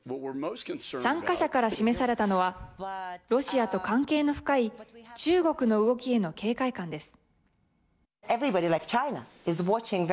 参加者から示されたのはロシアと関係の深い中国の動きへの警戒感です。